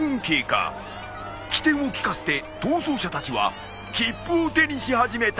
機転を利かせて逃走者たちは切符を手にし始めた！